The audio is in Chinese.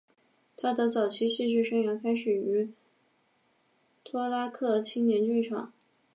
他的早期戏剧生涯开始于托拉克青年剧场。